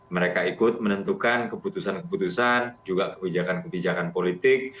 mereka ikut menentukan keputusan keputusan juga kebijakan kebijakan politik